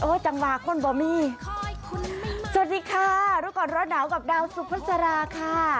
จังหวะคนบ่มีสวัสดีค่ะรู้ก่อนร้อนหนาวกับดาวสุภาษาราค่ะ